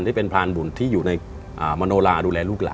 ที่เป็นพรานบุญที่อยู่ในมโนลาดูแลลูกหลาน